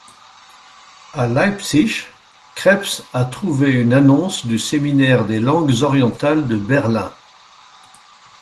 À Leipzig, Krebs a trouvé une annonce du Séminaire des Langues Orientales de Berlin.